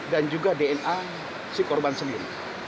dan juga dna si korban sendiri